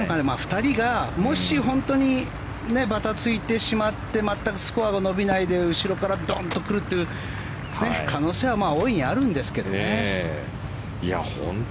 ２人がもし本当にばたついてしまって全くスコアが伸びないで後ろからドンと来るという可能性は大いにあるんですけどね。